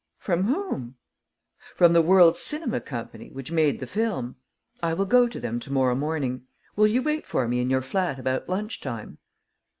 "From whom?" "From the World's Cinema Company, which made the film. I will go to them to morrow morning. Will you wait for me in your flat about lunch time?"